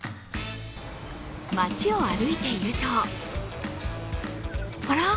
街を歩いているとあら？